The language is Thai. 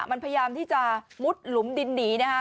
มันพยายามที่จะมุดหลุมดินหนีนะคะ